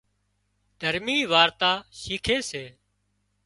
دهرمي وارتا شيکي سي